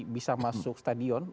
bisa masuk stadion